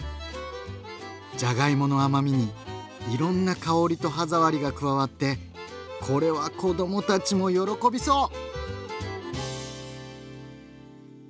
じゃがいもの甘みにいろんな香りと歯触りが加わってこれは子どもたちも喜びそう！